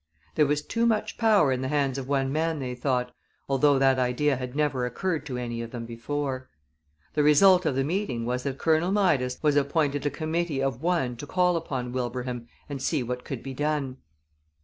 There was too much power in the hands of one man, they thought, although that idea had never occurred to any of them before. The result of the meeting was that Colonel Midas was appointed a committee of one to call upon Wilbraham and see what could be done.